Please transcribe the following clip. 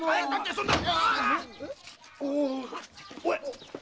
そんな！